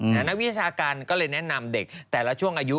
นักวิชาการก็เลยแนะนำเด็กแต่ละช่วงอายุ